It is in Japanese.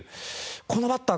このバッター